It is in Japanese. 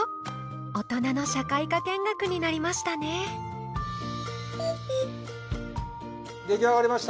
大人の社会科見学になりましたね出来上がりました。